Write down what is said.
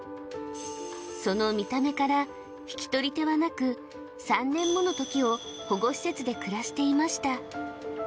その見た目から引き取り手はなく３年もの時を保護施設で暮らしていました